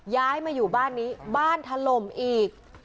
ย้ายมาอยู่บ้านนี้บ้านถล่มอีก